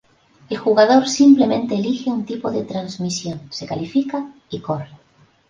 El jugador simplemente elige un tipo de transmisión, se califica y corre.